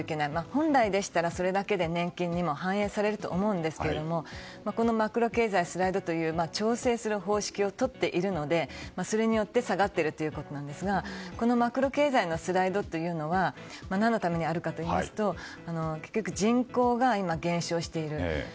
本来でしたらそれだけで年金に反映されると思いますがマクロ経済スライドという調整する方式をとっているのでそれによって下がっているということですがマクロ経済スライドというのは何のためにあるかというと結局人口が今、減少している。